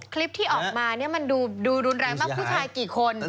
คลิปที่ออกมาเนี่ยมันดูรุนแรงมากผู้ชายกี่คน